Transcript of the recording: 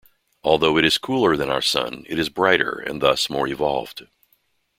Although it is cooler than our Sun it is brighter and thus more evolved.